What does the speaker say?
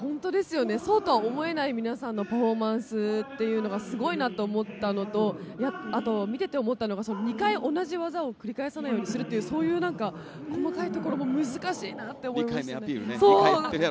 そうとは思えない皆さんのパフォーマンスがすごいなって思ったのとあと、見てて思ったのが、２回同じ技を繰り返さないようにするというそういう細かいところも難しいなって思いますね。